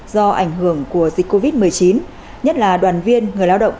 do ảnh hưởng của dịch covid một mươi chín nhất là đoàn viên người lao động